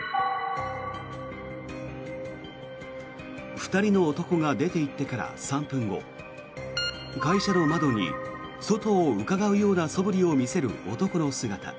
２人の男が出ていってから３分後会社の窓に外をうかがうようなそぶりを見せる男の姿。